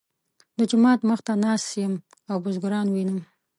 د جومات مخ ته ناست یم او بزګران وینم.